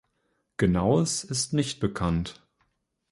Genaues ist nicht bekannt.